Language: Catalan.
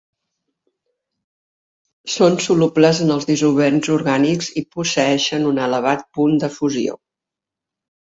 Són solubles en els dissolvents orgànics, i posseeixen un elevat punt de fusió.